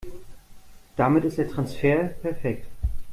Damit ist der Transfer perfekt.